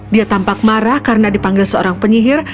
dia tampak marah karena dipanggil seorang penyihir